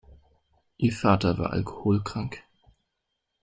Ihr Vater war alkoholkrank.